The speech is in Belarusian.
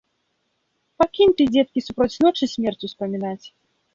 Пакінь ты, дзеткі, супроць ночы смерць успамінаць.